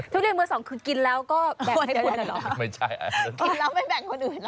ทุเรียนมือสองกินแล้วก็แบ่งใจใจไปแล้วหรอ